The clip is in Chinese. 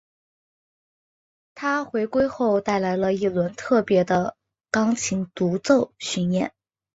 她回归后带来了一轮特别的钢琴独奏巡演。